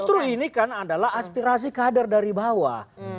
justru ini kan adalah aspirasi kader dari bawah